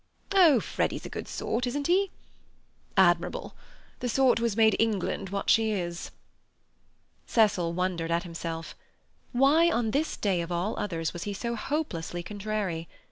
"Oh, Freddy's a good sort, isn't he?" "Admirable. The sort who has made England what she is." Cecil wondered at himself. Why, on this day of all others, was he so hopelessly contrary?